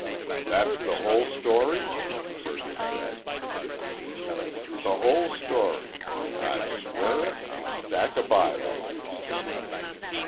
"That's the whole story?" Kirby said. "The whole story. I'd swear it on a stack of Bibles."